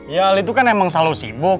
ya itu kan emang selalu sibuk